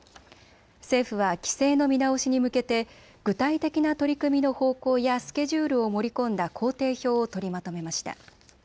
政府は規制の見直しに向けて具体的な取り組みの方向やスケジュールを盛り込んだ工程表を取りまとめました。